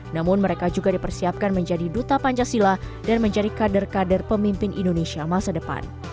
namun mereka juga dipersiapkan menjadi duta pancasila dan menjadi kader kader pemimpin indonesia masa depan